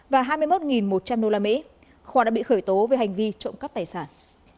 và hai mươi một một trăm linh usd khoa đã bị khởi tố về hành vi trộm cắp tài sản